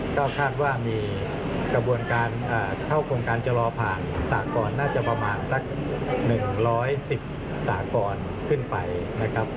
ก็คาดว่ามีกระบวนการเข้าโครงการจะรอผ่านสากรน่าจะประมาณสัก๑๑๐สากรขึ้นไปนะครับ